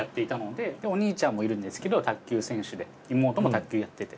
でお兄ちゃんもいるんですけど卓球選手で妹も卓球やってて。